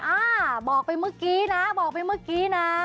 อ่าบอกไปเมื่อกี้นะบอกไปเมื่อกี้นะ